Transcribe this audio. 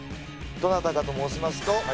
どなたかと申しますと。